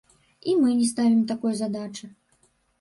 І мы не ставім такой задачы.